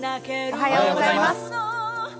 おはようございます。